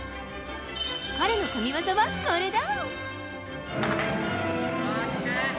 彼の神技は、これだ。